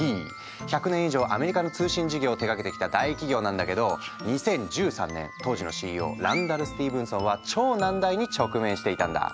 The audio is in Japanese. １００年以上アメリカの通信事業を手がけてきた大企業なんだけど２０１３年当時のＣＥＯランダル・スティーブンソンは超難題に直面していたんだ。